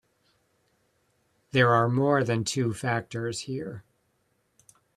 There are more than two factors here.